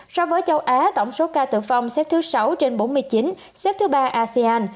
so với châu á tổng số ca tử vong xếp thứ sáu trên bốn mươi chín xếp thứ ba asean